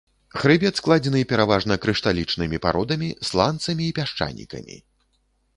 Хрыбет складзены пераважна крышталічнымі пародамі, сланцамі і пясчанікамі.